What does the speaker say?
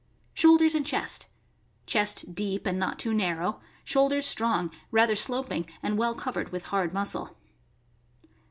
Shoulders and chest. — Chest deep, and not too narrow. Shoulders strong, rather sloping, and well covered with hard muscle.